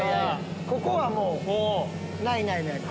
ここはもうないないない。